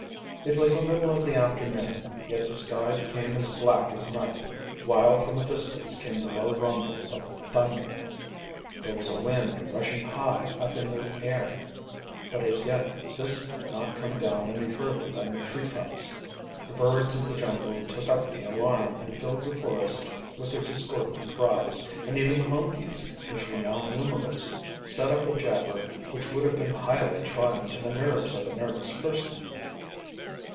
It was the middle of the afternoon, yet the sky became as black as night, while from a distance came the low rumble of thunder. There was a wind rushing high up in the air, but as yet this had not come down any further than the treetops. The birds of the jungle took up the alarm and filled the forest with their discordant cries, and even the monkeys, which were now numerous, sit up a jabber which would have been highly trying to the nerves of a nervous person.